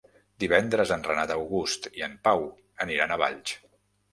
Divendres en Renat August i en Pau aniran a Valls.